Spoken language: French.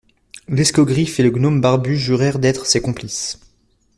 L'escogriffe et le gnome barbu jurèrent d'être ses complices.